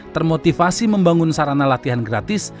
termotivasi membangun sarana latihan gratis